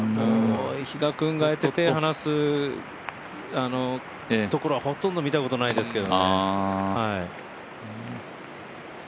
比嘉君が、手を離すところはほとんど見たことはないですけどね。